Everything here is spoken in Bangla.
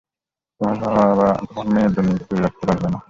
তোমার মেয়ের জন্য ইগো দূরে রাখতে পারলে না!